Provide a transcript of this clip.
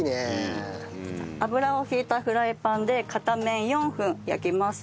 油を引いたフライパンで片面４分焼きます。